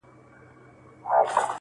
خو ما هچيش له تورو شپو سره يارې کړې ده